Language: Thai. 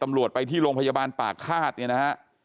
ตำรวจไปที่โรงพยาบาลป่าฆาตเนี่ยนะฮะ